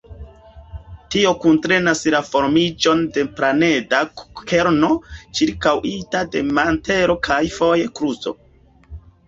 Tio kuntrenas la formiĝon de planeda kerno ĉirkaŭita de mantelo kaj, foje, krusto.